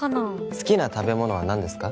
「好きな食べ物は何ですか？」